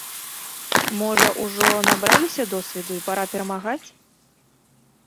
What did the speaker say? Можа, ужо набраліся досведу і пара перамагаць?